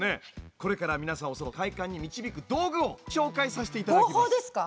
これから皆さんを快感に導く道具をご紹介させて頂きます。